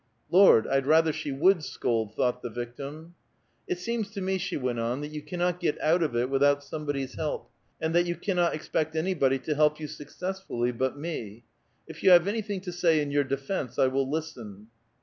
" Lord ! I'd rather she would scold," thought the victim. '' It seems to me," she went on, " that you cannot get out of it without somebody's help, and that you cannot expect anybody to help you successfully but me. If you have any thing to say in your defence, I will listen."